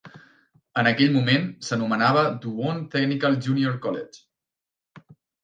En aquell moment, s'anomenava Doowon Technical Junior College.